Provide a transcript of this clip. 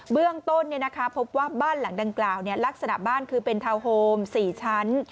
เบื้องต้นพบว่าบ้านหลังดังกล่าวลักษณะบ้านคือเป็นทาวน์โฮม๔ชั้น